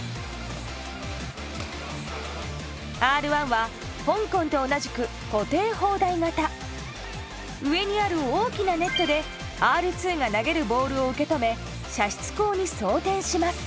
Ｒ１は香港と同じく上にある大きなネットでＲ２が投げるボールを受け止め射出口に装填します。